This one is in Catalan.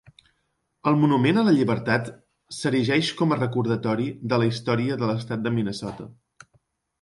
El monument a la llibertat s'erigeix com a recordatori de la història de l'estat de Minnesota.